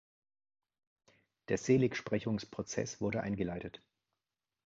Der Seligsprechungsprozess wurde eingeleitet.